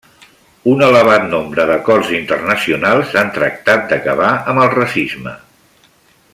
Un elevat nombre d'acords internacionals han tractat d'acabar amb el racisme.